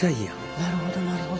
なるほどなるほど。